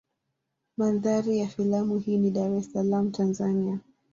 Mandhari ya filamu hii ni Dar es Salaam Tanzania.